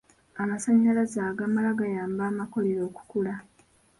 Amasannyalaze agamala gayamba amakolero okukula.